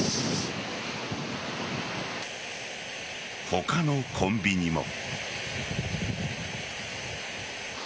他のコンビニも。